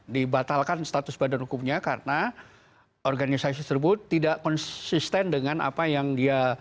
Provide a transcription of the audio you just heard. dibatalkan status badan hukumnya karena organisasi tersebut tidak konsisten dengan apa yang dia